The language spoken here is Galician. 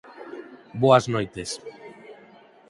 Boas noites.